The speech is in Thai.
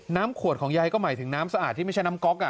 ขวดของยายก็หมายถึงน้ำสะอาดที่ไม่ใช่น้ำก๊อก